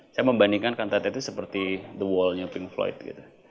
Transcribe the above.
saya membandingkan kantar taqwa itu seperti the wall nya pink floyd gitu